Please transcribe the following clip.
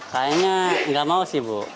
kayaknya nggak mau sih bu